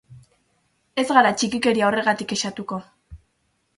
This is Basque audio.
Ez gara txikikeria horregatik kexatuko.